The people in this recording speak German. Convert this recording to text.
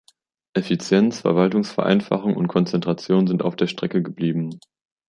Effizienz, Verwaltungsvereinfachung und Konzentration sind auf der Strecke geblieben.